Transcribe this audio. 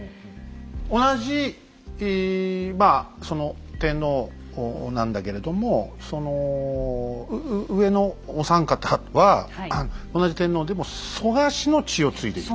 同じ天皇なんだけれどもその上のお三方は同じ天皇でも蘇我氏の血を継いでいる。